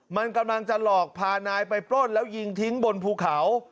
มันกำลังจะหลอกพานายไปปล้นแล้วยิงทิ้งบนภูเขา